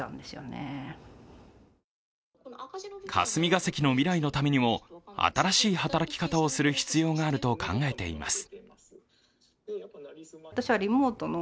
霞が関の未来のためにも、新しい働き方をする必要があると考えています。